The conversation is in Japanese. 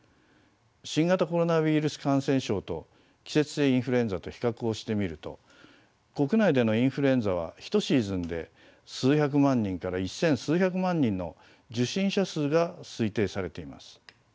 新型コロナウイルス感染症と季節性インフルエンザと比較をしてみると国内でのインフルエンザは１シーズンで数百万人から１千数百万人の受診者数が推定されています。